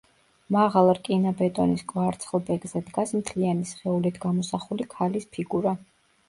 მაღალ რკინა-ბეტონის კვარცხლბეკზე დგას მთლიანი სხეულით გამოსახული ქალის ფიგურა.